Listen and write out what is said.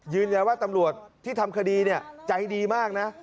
ยืนยันว่าตำรวจที่ทำคดีเนี่ยใจดีมากนะ